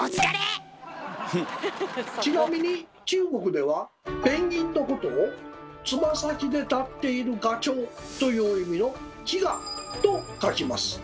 ちなみに中国ではペンギンのことを「つま先で立っているガチョウ」という意味の「企鵝」と書きます。